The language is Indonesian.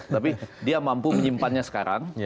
tapi dia mampu menyimpannya sekarang